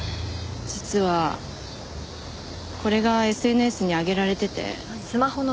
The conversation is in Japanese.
実はこれがＳＮＳに上げられてて。